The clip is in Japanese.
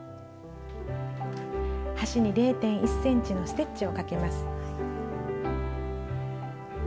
端に０．１ｃｍのステッチをかけます。